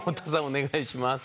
お願いします。